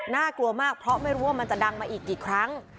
กลัวมากเพราะไม่รู้ว่ามันจะดังมาอีกกี่ครั้ง